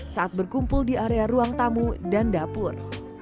saat berkumpul di area ruang tamu dan dapur